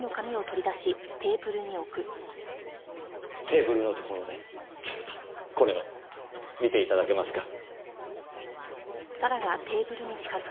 テーブルのところでちょっとこれを見て頂けますか？